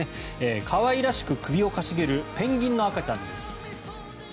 可愛らしく首を傾げるペンギンの赤ちゃんです。